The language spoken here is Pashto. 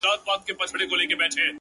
او بېوفايي ـ يې سمه لکه خور وگڼه ـ